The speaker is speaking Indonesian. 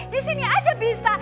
di sini aja bisa